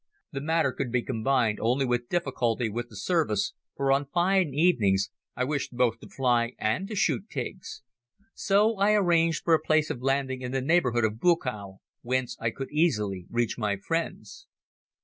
The matter could be combined only with difficulty with the service, for on fine evenings I wished both to fly and to shoot pigs. So I arranged for a place of landing in the neighborhood of Buchow whence I could easily reach my friends.